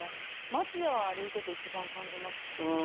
街を歩いてて一番感じますね。